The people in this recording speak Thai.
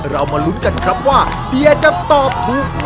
เรามารู้กันครับว่าเดี๋ยจะตอบถูกไหม